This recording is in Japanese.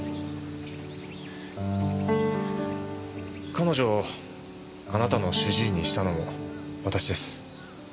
彼女をあなたの主治医にしたのも私です。